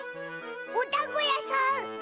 おだんごやさん。